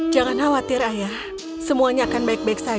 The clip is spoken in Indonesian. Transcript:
dan suatu hari takdirnya berubah